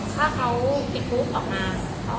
ถ้าเขาติดภูมิออกมาเขาก็เป็นแค่บุคลงมาหลาย